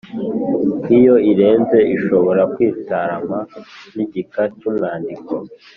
Iyo irenze ishobora kwitiranywa n’igika cy’umwandiko.